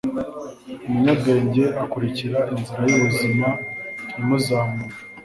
Umunyabwenge akurikira inzira y’ubuzima imuzamura